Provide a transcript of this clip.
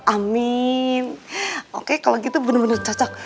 amin oke kalau gitu bener bener cocok